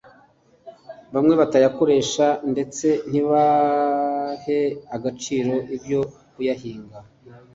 bamwe batayakoresha ndetse ntibahe agaciro ibyo kuyahinga